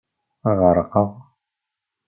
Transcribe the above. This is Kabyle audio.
Ɣerqeɣ.